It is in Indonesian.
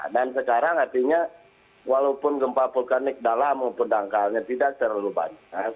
dan sekarang artinya walaupun gempa vulkanik dalam pendangkanya tidak terlalu banyak